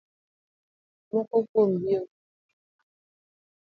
Moko kuomgi onge gi brek